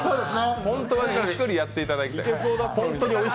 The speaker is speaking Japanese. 本当はゆっくりやっていただきたい。